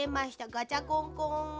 ガチャコンコン。